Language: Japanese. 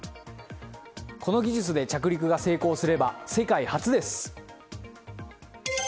この技術で着陸が成功すれば世界初です。